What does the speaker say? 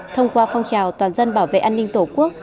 thông qua phong trào toàn dân bảo vệ an ninh tổ quốc